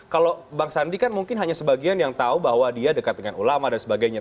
kalau bang sandi kan mungkin hanya sebagian yang tahu bahwa dia dekat dengan ulama dan sebagainya